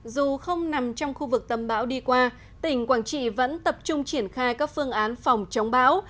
dù không nằm trong khu vực tâm bão đi qua tỉnh quảng trị vẫn tập trung triển khai các phương án phòng chống bão